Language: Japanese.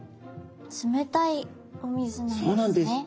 冷たいお水なんですね。